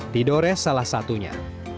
didores salah satunya